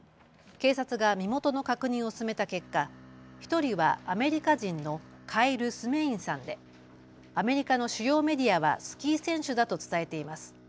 警察が身元の確認を進めた結果、１人はアメリカ人のカイル・スメインさんでアメリカの主要メディアはスキー選手だと伝えています。